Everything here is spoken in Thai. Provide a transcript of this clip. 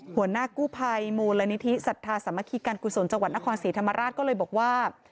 หัวหน้ากู้ภัยมูลนิธิสัทธาสามัคคีการกุศลจังหวัดนครศรีธรรมราชก็เลยบอกว่า